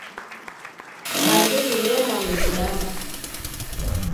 W'andu w'ilemwa ni kudamba.